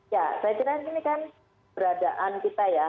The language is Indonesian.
ya saya kira ini kan beradaan kita ya